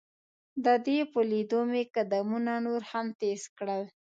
د دې په لیدو مې قدمونه نور هم تیز کړل.